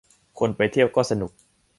คนไปเที่ยวก็สนุก